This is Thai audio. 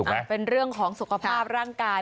เป็นเรื่องของสุขภาพร่างกาย